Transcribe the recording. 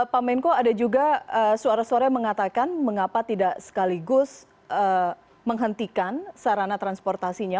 pak menko ada juga suara suara yang mengatakan mengapa tidak sekaligus menghentikan sarana transportasinya